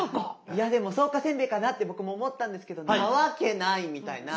いやでも草加せんべいかなって僕も思ったんですけどなわけないみたいな。